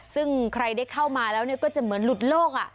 ซึ่งใครได้เข้ามาแล้วก็จะเหมือนหลุดโลก